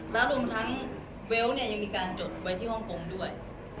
แล้วรวมทั้งเวลต์เนี่ยยังมีการจดไว้ที่ฮ่องกงด้วย